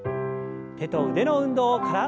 手と腕の運動から。